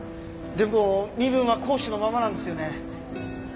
でも身分は講師のままなんですよね？